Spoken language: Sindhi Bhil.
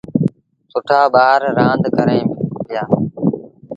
سُٺآ ٻآر رآند ڪريݩ پيٚآ۔